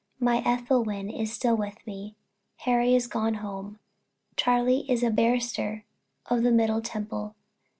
My Ethelwyn is still with me. Harry is gone home. Charlie is a barrister of the Middle Temple.